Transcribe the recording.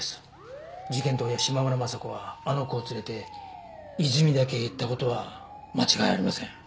事件当夜島村昌子はあの子を連れて泉田家へ行った事は間違いありません。